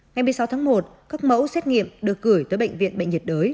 ngày một mươi sáu tháng một các mẫu xét nghiệm được gửi tới bệnh viện bệnh nhiệt đới